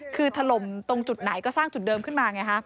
คือถล่มตรงจุดไหนก็สร้างจุดเดิมขึ้นมาไงฮะ